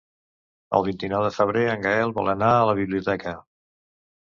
El vint-i-nou de febrer en Gaël vol anar a la biblioteca.